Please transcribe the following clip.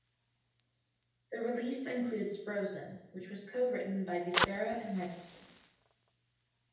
The release includes "Frozen" which was co-written by Gissara and Michaelson.